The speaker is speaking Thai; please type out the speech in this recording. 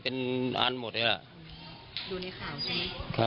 ก็มีคนเรียบร้อย